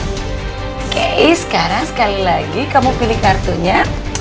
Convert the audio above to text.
oke sekarang sekali lagi kamu pilih kartunya